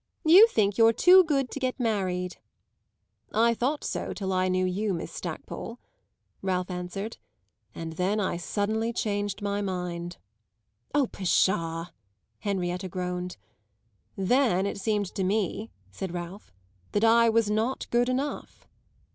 "You think you're too good to get married." "I thought so till I knew you, Miss Stackpole," Ralph answered; "and then I suddenly changed my mind." "Oh pshaw!" Henrietta groaned. "Then it seemed to me," said Ralph, "that I was not good enough."